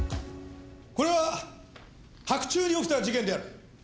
これは白昼に起きた事件である。